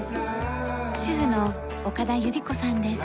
主婦の岡田有利子さんです。